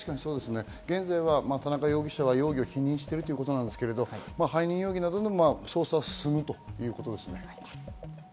現在は田中容疑者は容疑を否認しているということですが、背任容疑などの捜査が進むということですね。